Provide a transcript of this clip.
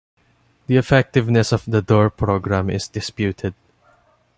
The effectiveness of the Dore Programme is disputed.